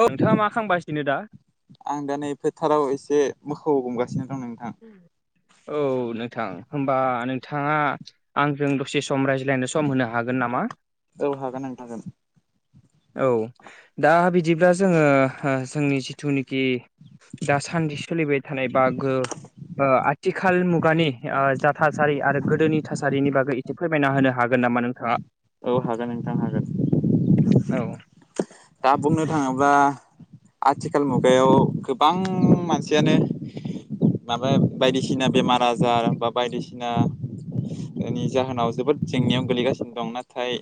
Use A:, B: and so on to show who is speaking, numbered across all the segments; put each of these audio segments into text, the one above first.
A: औ नोंथाङा मा खालामबासिनो दा?
B: आं दा नै फोथाराव एसे मोखौ हमगासिनो दं नोंथां
A: औ नोंथां होमबा नोंथाङा आंजों दसे सम रायज्लायनो सम होनो हागोन नामा?
B: औ हागोन नोंथां [unintelligible]
A: औ दा बिदिब्ला जोङो जोंनि जिथुनि [unintelligible] दासान्दि सोलिबाय थानाय [unintelligible] ओ आथिखाल मुगानि ओ जा थासारि आरो गोदोनि थासारिनि बागै फोरमायना होनो हागोन नामा नोंथाङा?
B: औ हागोन नोंथां हागोन।
A: औ
B: दा बुंनो थाङोब्ला आथिखाल मुगायाव गोबां मानसियानो माबा बायदिसिना बेमार आजार बा बायदिसिना बेनि जाहोनाव जोबोद जेंनायाव गोगलैगासिनो दं। नाथाय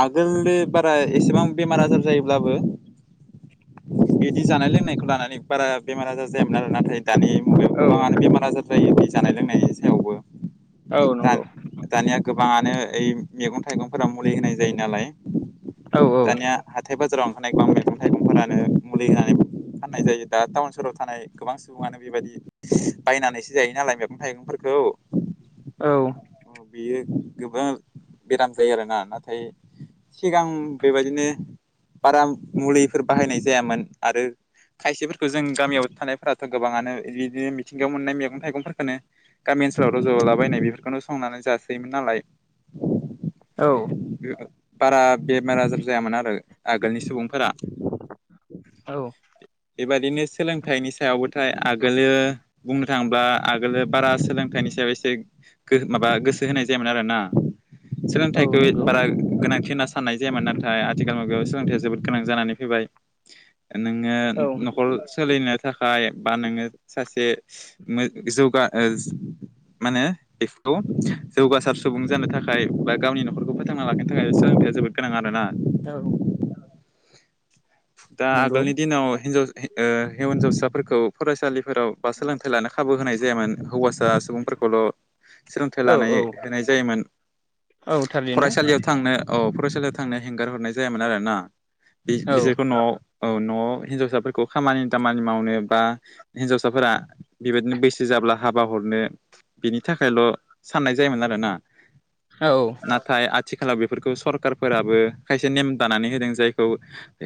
B: आगोलो बारा एसेबां बेमार आजार जायोब्लाबो बिदि जानाय - लोंनायखौ लानानै बारा बेमार आजार जायामोन आरो नाथाय दानि मुगायाव
A: औ
B: गोबाङानो बेमार आजार जायो बे जानाय - लोंनायनि सायावबो।
A: औ
B: दा
A: नंगौ।
B: दानिया गोबाङानो ओइ मैगं- थाइगंफोरा मुलि होनाय जायो नालाय
A: औ
B: दानिया। हाथाय - बाजाराव ओंखारनाय गोबां मैगं- थाइगंफोरानो मुलि होनानै फाननाय जायो। दा टाउन सहराव थानाय गोबां सुबुङानो बेबायदि बायनानैसो जायो नालाय मैगं- थाइगंफोरखौ
A: औ।
B: ओ बेयो गोबां बेराम जायो आरोना नाथाय सिगां बेबायदिनो बारा मुलिफोर बाहायनाय जायामोन आरो खायसेफोरखौ जों गामियाव थानायफोराथ' गोबाङानो बिदिनो मिथिंगायाव मोननाय मैगं- थाइगंफोरखौनो गामि ओनसोलाव र'जलाबायनाय बेफोरखौनो संनानै जासोयोमोन नालाय।
A: औ।
B: [unintelligible] बारा बेमार -आजार जायामोन आरो‌। आगोलनि सुबुंफोरा
A: औ
B: बेबादिनो सोलोंथाइनि सायावबोथाय आगोलो बुंनो थाङोब्ला आगोलोलो बारा सोलोंथाइनि सायाव एसे गो- माबा गोसो होनाय जायामोन आरोना [unintelligible]
A: औ
B: सोलोंथायखौ
A: नंगौ
B: बारा गोनांथि होनना [unintelligible] [unintelligible] जायामोन नाथाय आथिखाल मुगायाव सोलोंथाया जोबोद गोनां जानानै फैबाय। नोङो
A: औ
B: न'खर सोलिनो थाखाय बा नोङो सासे [unintelligible] जौगा ओ माने बेखौ जौगासार सुबुं जानो थाखाय बा गावनि नखरखौ फोथांना लाखिनो थाखाय सोलोंथाइया जोबोद गोनां आरोना।
A: औ।
B: दा
A: नंगौ
B: आगोलनि दिनाव हिनजाव-हि-हिन- हिनजावसाफोरखौ फरायसालिफोराव बा सोलोंथाइ लानो खाबु होनाय जायामोन हौवासा सुबुंफोरखौल' सोलोंथाइ
A: औ
B: लानाय
A: औ
B: होनाय जायोमोन
A: औ थारैनो
B: फरायसालियाव थांनो औ फरायसालियाव थांनो हेंगार हरनाय जायामोन आरो ना।
A: औ
B: [unintelligible] न'आव औ न'आव हिनजावसाफोरखौ खामानि दामानि मावनो बा हिन्जावसाफोरा बेबायदिनो बैसो जाब्ला हाबा हरनो बिनि थाखायल' साननाय जायोमोन आरोना।
A: औ
B: नाथाय आथिखालाव बेफोरखौ सरखारफोराबो खायसे नेम दानानै होदों जायखौ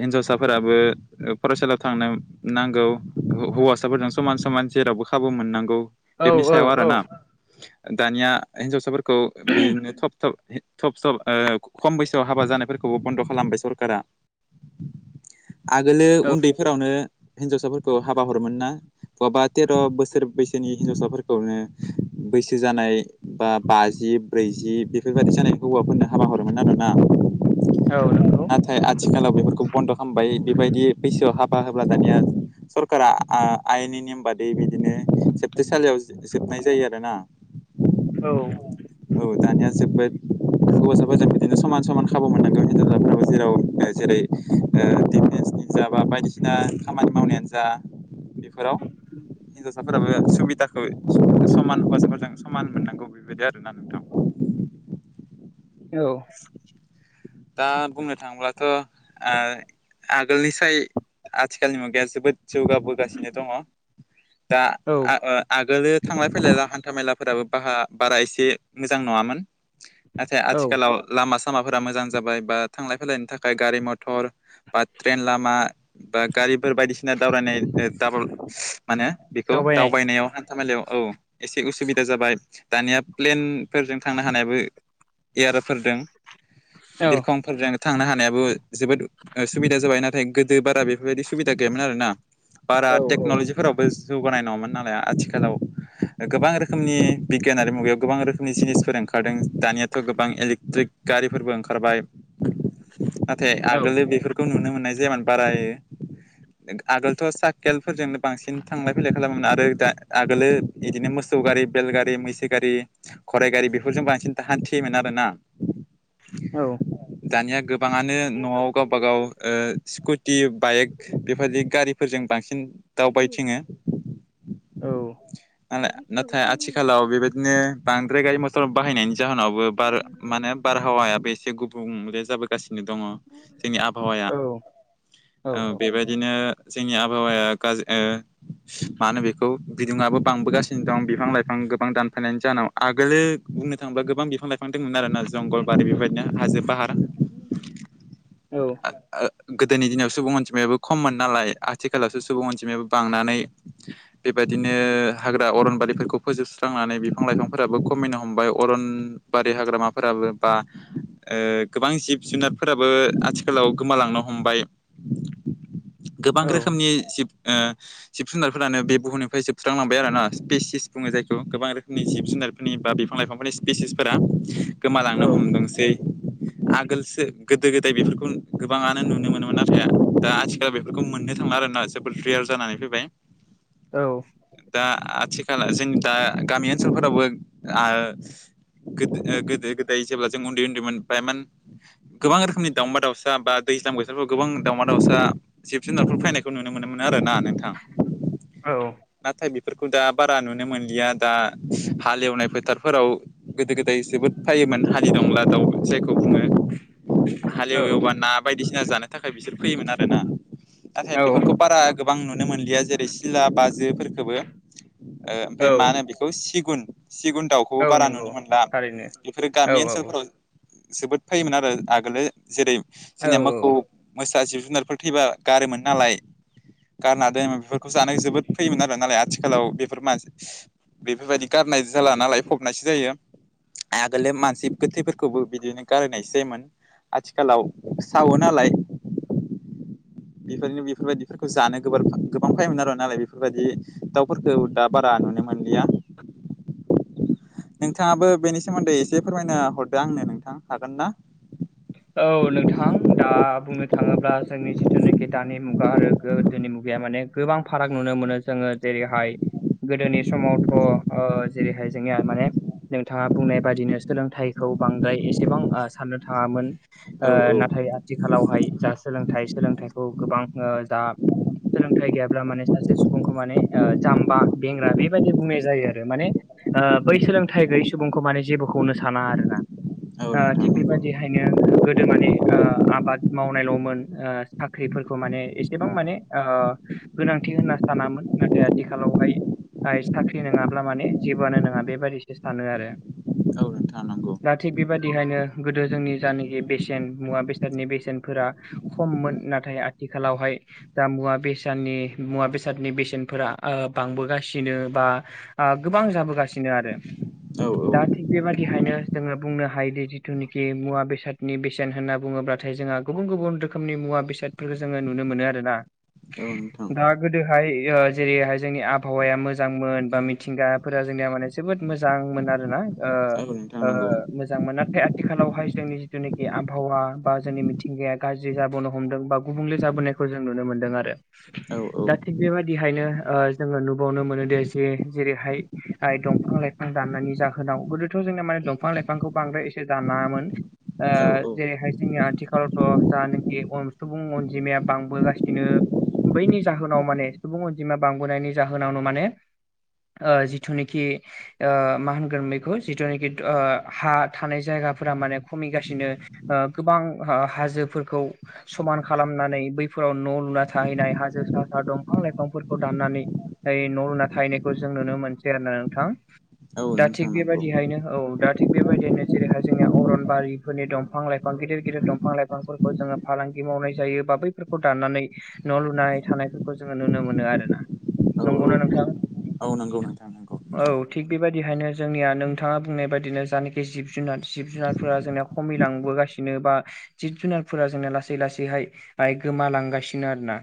B: हिन्जावसाफोराबो फरायसालियाव थांनो नांगौ हौ-हौवासाफोरजों समान- समान जेरावबो खाबु मोननांगौ।
A: औ
B: बेफोरनि
A: औ
B: सायाव
A: औ
B: आरोना दानिया हिनजावसाफोरखौ बिदिनो थब -थब [unintelligible] [unintelligible] खम बैसोआव हाबा जानायफोरखौबो बन्द' खालामबाय सरकारा। आगोलो
A: औ
B: उन्दैफोरावनो हिनजावसाफोरखौ हाबा हरोमोन ना। बहाबा तेर' बोसोर बैसोनि हिनजावसाफोरखौनो बैसो जानाय बा बाजि ब्रैजि बेफोरबायदि जानाय हौवाफोरनो हाबा हरोमोन आरोना।
A: औ नंगौ।
B: नाथाय आथिखालाव बेफोरखौ बन्द' खालामबाय बेबायदि बैसोआव हाबा होब्ला दानिया सरकारा आ- आयेननि नेम बादि बिदिनो जोबथेसालियाव जोबनाय जायो आरोना।
A: औ।
B: औ दानिया जोबबाय हौवासाफोरजों बिदिनो समान समान खाबु मोननांगौ हिनजावफ्राबो जेराव जेरै ओ दिडिफेन्सनि जा बा बायदिसिना खामानि मावनायानो जा बेफोराव हिनजावसाफोराबो सुबिदाखौ समान हौवासाफोरजों समान मोननांगौ। बेबायदि आरोना नोंथां
A: औ
B: दा बुंनो थाङोब्लाथ' ओ आगोलसाय आथिखालनि मुगाया जोबोद जौगाबोगासिनो दङ दा आ ओ आगोलो थांलाय फैलाय हान्था मेलाफोराबो बाहा बारा एसे मोजां नङामोन। नाथाय
A: औ
B: आथिखालाव लामा सामाफोरा मोजां जाबाय बा थांलाय फैलायनि थाखाय गारि मथर बा ट्रेन लामा बा गारिफोर बायदि दावरायनाय माने बेखौ
A: दावबायनाय
B: दावबायनायाव धामेलायाव औ एसे उसुबिदा जाबाय दानिया प्लेन फोरजों थांनो हानायाबो एयारफोर
A: औ
B: बिरखं फोरजों थांनो हानायाबो जोबोद सुबुबिदा जाबाय नाथाय गोदो बारा बेफोरबायदि सुबिदा गैयामोन आरोना। बारा
A: औ औ
B: टेक्न'लजिफोरावबो जौगानाय नङामोन नालाय आथिखालाव गोबां रोखोमनि बिगियानारि मुगायाव गोबां रोखोमनि जिनिसफोर ओंखारदों। दानियाथ' गोबां इलेक्ट्रिक गारिफोरबो ओंखारबाय नाथाय
A: औ
B: आगोल बेफोर खौ नुनो मोननाय जायामोन बारा आगोलथ' साइकेलफोरजोंनो बांसिन थांलाय फैलाय खालामोमोन आरो दा आगोलो बिदिनो मोसौ गारि बेलगारि मैसो गारि खराइ गारि बेफोरजों बांसिन थाहान्थियोमोन आर ना।
A: औ।
B: [inaudible] दानिया गोबाङानो न'आव गावबा गाव ओ स्कुटि बाइक बेफोरबायदि गारि फोरजों बांसिन दावबायथिङो
A: औ
B: आंलाय नाथाय आथिखालाव बेबायदिनो बांद्राय गारि मथर बाहायनायनि जाहोनावबो बार माने बारहावायाबो एसे गुबुंले जाबो गासिनो दङ जोंनि आबहावाया
A: औ औ
B: ओ बेबाय बिदिनो जोंनि आबहावाया गाज्रि‌ ओ मानो होनो बेखौ बिदुङाआो बांबोगासिनो दं बि बिफां लाइफां गोबां दानफैनायनि जाहाव आगोलो बुंनो थाङोबा गोबां बिफां लाइफां दंमोन आरोना जंगलबारि बेबायदि बिदिनो हाजो फाहार गोदोनि दिनाव सुबुं अनजिमायाबो खममोन नालाय आथिखालावसो सुबुं अनजिमायाबो बांनानै बेबायदिनो हाग्रा अरनबारिफोरखौ फोजोबस्रांनानै बिफां लाइफांफोराबो खमायनो हमबाय अरन बारि हाग्रामाफोराबो बा ओ गोबां जिब जुनारफोराबो आथिखालाव गोमालांनो हमबाय गोबां रोखोमनि जिब ओ जिब जुनारफोरानो बेुहुमनिफ्राय जोबस्रांबाय आरो सिपेसिस बुङो जायखौ गोबां रोखोमनि जिब जुनारफोर। नि बा बिफां लाइफांफोरनि स्पिसिसफोरा गोमालांनो हमदोंसै। आगोलसो गोदो गोदाय बेफोरखौ गोबाङानो नुनो मोनोमोन आरो थाया दा आथिखालाव बेफोरखौ मोननो थांला आर ना। जेबोल ट्रियार जानानै फैबाय।
A: औ।
B: दा आथिखला जोंनि दा गामि ओनसोलफोरावबो गोदो गोदो गोदाय जेब्ला जों उन्दै उन्दै फ्रायमोन गोबां रोखोमनि दावम दाउसा बा दैज्लां बोथोराव गोबां दावमा दाउसा जिब जुनारफोर फैनायखौ नुनो मोनोमोन आरो ना नोंथां। नाथाय बेफोरखौ दा बारा नुनो मोनलिया दा हालेवनाय फोथारफोराव गोदो गोद ाय जोबोद फाययोमोन हानि दंला दाउ जायखौ बुङो हालेववबा ना बायदिसिना जानो थाखाय बिसोर फैयोमोन आर ना नाथाय
A: औ औ
B: बेफोरखौ बारा गोबां नुनो मोनलिया जेरै सिला बाजोफोरफोरखौबो ओ ओमफफ्राय
A: औ
B: मा होनो बेखौ सिगुन सिगुन दाउखौबो
A: औ
B: बारा
A: नंगौ
B: नुनो मोनला
A: थारैनो
B: बेफोरो
A: औ
B: गामि
A: औ
B: ओनसोल जोबोद फैयोमोन आरो आगोलो जेरै
A: औ
B: जोंनिया
A: औ
B: मोखौ मोसा जिब जुनारफोर थैबा गारोममोन नालाय गारना दोनोम बेफोरखौ जानाय जोबोद फैयोमोन आरो नालाय आथिखालाव बेफोर मानसि बेफोरबायदि गारनाय जाला नालाय फबनायसो जायो आगोल मानसि गोथैफोरखौबो बिदिनो गारायनायस जायोमोन आथिखालाव सावो नालाय [inaudible] बेबायदिनो बेफोरबायदिफोरखौ जानो गोब गोबां फायोमोन आर नालाय बेफोरबायदि दाउफोरखौ दा बारा नुनो मोनलिया। नोंथाङाबो बेनि सोमोन्दै एसे फोरमायनो हरदो आंनो नोंथां हागोन ना?
A: औ नोंथां दा बुंनो थाङोब्ला जोंनि जिथुनाखि दानि मुगा आरो गोदोनि मुगाया माने गोबां फाराग नुनो मोनो जोङो जेरैहाय गोदोनि समावथ' जेरैहाय जोंनिया माने नोंथाङा बुंनाय बादिनो सोलोंथाइखौ बांद्राय एसेबां साननो थाङामोन
B: औ
A: ओ
B: औ
A: नाथाय आथिखालावहाय जा सोलोंथाइ सोलोंथाइखौ गोबां जा सोलोंथाइ गैयाब्ला माने सासे सुबुंखौ माने जाम्बा बेंग्रा बेबायाददि बुंनाय जायो आरो माने ओ बै सोलोंथाइ गैयै सुबुंखौ माने जेबोखौनो साना आरो ना।
B: औ
A: ओ
B: नोंथां
A: थिग
B: नंगौ
A: बेबायादिहायनो गोदो माने ओ आबाद मावनायल'मोन साख्रिफोरखौ माने एसेबां माने गोनांथि होनना सानामोन नाथाय आथिखालावहाय साख्रि नङाब्ला माने जेबोआानो नङा बेबायाददिसो सानो आरो
B: औ थानांगौ
A: दा थिग बेबायदिहायनो गोदो जोंनि जायनाखि बेसेन मुवा बेसादनि बेसेनफोरा खममोन नाथाय आथिखालावहाय दा मुवा बेसादनि मुवा बेसादनि बेसेनफोरा बांबोगासिनो बा गोबां जाबोगासिनो आरो
B: औ औ
A: दा थिग बेबादिहायनो जोङो बुंनो हायोदि जिथुनाखि मुवा बेसाद बेसादनि बेसेन होनना बुङोब्लाथाय जोंहा गुबुन गुबुन रोखोमनि मुवा बेसादफोरखौ जोङो नुनो मोनो आरोना
B: औ नोंथां
A: दा गोदोहाय जेरैहाय जोंनि आबहावाया मोजांमोन बा मिथिंगाफोरा जोंनिया माने जोबोद मोजांमोन आरोना
B: औ नोंथां नंगौ
A: मोजांमोन नाथाय आथिखालावहाय जोंनि जेनाखि आबहावा बा जोंनि मिथिंगाया गाज्रि जाबोनो हमदों बा गुबुंले जाबोनाय खौ जों नुनो मोन्दों आरो।
B: औ औ
A: दा थिग बेबायदिहायनो जोङो नुबावनो मोनो दे जे जेरैहाय दंफां लाइफां दाननायनि जाहोनाव गोदोथ' जोंना माने दंफां लाइफांखौ बांद्राय एसे दानामोन ओ
B: औ
A: जेरैहाय जोंनि आथिखालावथ' जानोखि सुबुं अनजिमाया बांबोगासिनो बैनि जाहोनाव माने सुबुं अनजिमा बांबोनायनि जाहोनावनो माने जिथुनाखि मा होनगोन बेैखौ जिथुनाखि हा थानाय जायगाफोरा माने खमिगासिनो गोबां हाजोफोरखौ समान खालामनानै बैफोराव न' लुना थाहैनाय हाजो सा दंफां लाइफांफोरखौ दाननानै न' लुना थाहैनायखौ जों नुनो मोनसै आरो ना नोंथां।
B: औ
A: दा
B: नोंथां
A: थिग
B: नंगौ
A: बेबायदिहायनो औ दा थिग बेबायदियनो जेरैहाय जोंनिया अरन बारिफोरनि दंफां लाइफां गिदिर गिदिर दंफां लाइफांफोरखौ जोङो फालांगि मावनाय जायो बा बैफोरखौ दाननानै न' लुनाय थानायफोरखौ जोङो नुनो मोनो आरो ना
B: औ
A: नंगौना नोंथां।
B: औ नंगौ नोंथां नंगौ
A: औ थिग बेबायदिहायनो जोंनिया नोंथाङा बुंनाय बादिनो जानाखि जिब जुनार जिब जुनार फोरा जोंना खमायलांबोगासिनो बा जिब जुनारफोरा जोंना लासै लासैहाय बाय गोमालांगासिनो आरो ना।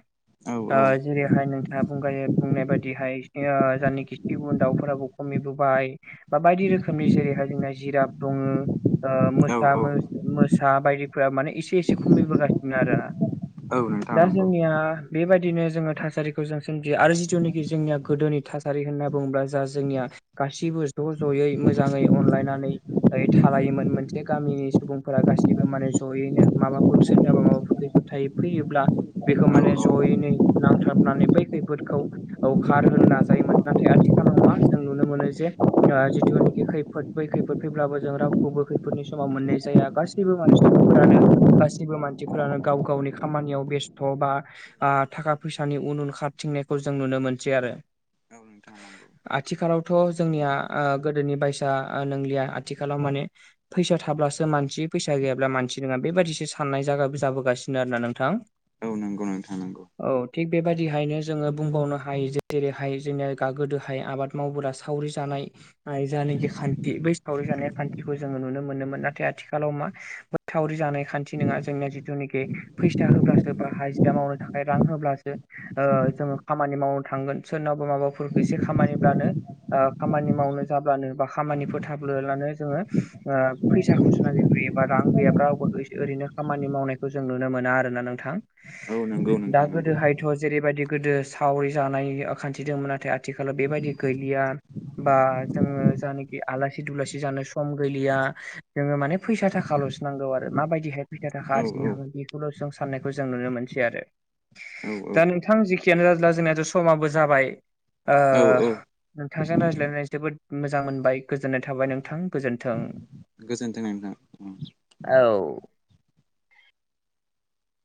B: औ
A: दा
B: औ
A: जेरैहाय नोंथाङा बुंनाय बायदिहाय जानखि सिगुन दाउफोराबो खमिबोबाय बा बायदि रोखोमनि जेरैहाय जोंना जिराफ दङो ओ मोसा
B: औ औ
A: मो-मोस सा बायदिफोरा माने एसे एसे खमायबोगासिनो आरोना
B: औ नोंथां
A: दा
B: नंगौ
A: जोंनिया बेबायदिनो जोङो थासारिखौ जों सोमजियो आरो जिथुनाखि जोंनिया गोदोनि थासारि होनना बुङोब्ला जा जोंनिया गासिबो ज' ज'यै मोजाङै अनलायनानै थालायोमोन। मोनसे गामिनि सुबुंफोरा गासिबो माने जयैनो माबाफोर सोरनोबा माबाफोर खैफोद थायो फैयोब्ला बेखौ
B: औ
A: माने
B: औ नोंथां नंगौ
A: जयैै नांथाबनानै बै खैफोदखौ औ खारहोनो नाजायोमोन नाथाय आथिखालाव मा जों नुनो मोनो जे जिथुनाखि खैफोद बै खैफोद फैब्लाबो जों रावखौबो खै फोदफोरनि समाव मोननाय जाया गासैबो माने सुबुंफोरानो गासिबो मानसिफोरानो गाव गावनि खामानियाव बेस्थ' बा थाखा फैसानि उन उन खारथिंनायखौ जों नुनो मोनसै आरो।
B: औ नंगौ।
A: आथिखालावथ' जोंनिया ओ गोदोनि बायसा नंलिया आथिखालाव माने फैसा थाब्लासो मानसि फैसा गैयाब्ला मानसि नङा बेबायदिसो साननाय जाबोगासिनो आरो ना नोंथां।
B: औ नंगौ नोंथां नंगौ।
A: औ थिग बेबायाददिहायनो जोङो बुंबावनो हायो जे जेरैहाय जोंनिया गा-गोदोहाय आबाद मावबा सावरि जानाय जायानखि खान्थि बै सावरि जानाय खान्थिखौ जोङो नुनो मोन मोनोमोन नाथाय आथिखालाव मा बोथावरि जानाय खान्थि नङा जोंनिया जिथुनिखि फैसा होब्लासो बा हाजिरा मावनो थाखाय रां होब्लासो ओ जोङो खामानि मावनो थांगोन सोरनावबा माबाफोरखौ एसे खामानिब्लानो ओ खामानि मावनो जाब्लानो बा खामानि फोथाबोब्लानो जोङो ओ फैसाखौसो नागिरग्रोयो बा रां गैयाब्ला रावबो ओस ओरैनो खामानि मावनायखौ जों नुनो मोना आरोना नोंथां।
B: औ नंगौ
A: दा
B: नोंथां नंगौ
A: गोदो हायथ' जेरैबायदि गोदो सावरि जानाय ओ खान्थि दंमोन नाथाय आथिखालाव बेबायदि गैलिया। बा जोङो जानोखि आलासि दुलासि जानो सम गैलिया। जोङो माने फैसा थाखाल'सो नांगौ आरो माबायदिहाय फैसा थाखा
B: औ
A: आरजिनो हागोन बेखौल' जों साननाय खौ जों नुनो मोनसै आरो।
B: [inaudible]
A: दा
B: औ
A: नोंथां जेखियानो जादोला जोंनाथ' समाबो जाबाय। ओ
B: औ औ
A: नोंथांजों रायज्लायनानै जोबोद मोजां मोनबाय गोजोननाय थाबाय नोंथां गोजोन थों
B: गोजोन्थों नोंथां उम।
A: औ